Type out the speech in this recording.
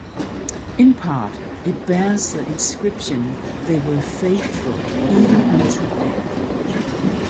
In part, it bears the inscription they were faithful even unto death.